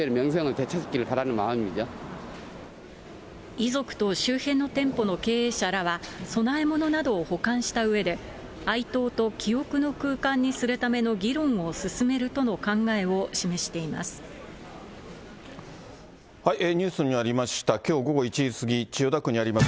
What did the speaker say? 遺族と周辺の店舗の経営者らは、供え物などを保管したうえで、哀悼と記憶の空間にするための議論を進めるとの考えを示していまニュースにありました、きょう午後１時過ぎ、千代田区にあります